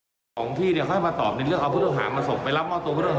พนักงานสอบสวนเขาไปสอบปากคำคนมาส่งแล้ว